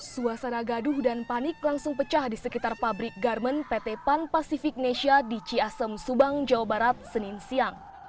suasana gaduh dan panik langsung pecah di sekitar pabrik garmen pt pan pacific nesha di ciasem subang jawa barat senin siang